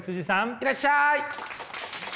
いらっしゃい！